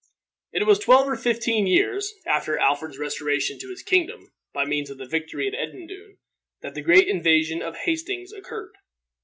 It was twelve or fifteen years after Alfred's restoration to his kingdom, by means of the victory at Edendune, that the great invasion of Hastings occurred.